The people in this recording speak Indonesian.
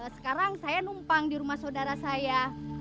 sekarang saya numpang di rumah saudara saya